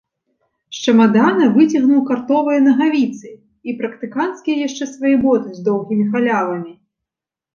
З чамадана выцягнуў картовыя нагавіцы і практыканцкія яшчэ свае боты з доўгімі халявамі.